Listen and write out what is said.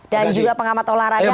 dan juga pengamat olahraga